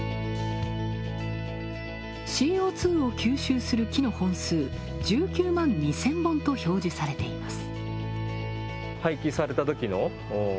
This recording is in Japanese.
ＣＯ２を吸収する木の本数、１９万２０００本と表示されています。